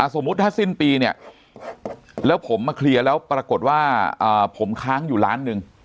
สมมุติถ้าสิ้นปีเนี่ยแล้วผมมาเคลียร์แล้วปรากฏว่าผมค้างอยู่ล้านหนึ่ง